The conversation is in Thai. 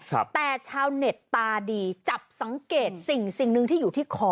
แต่ชาวเน็ตตาดีจับสังเกตสิ่งสิ่งหนึ่งที่อยู่ที่คอ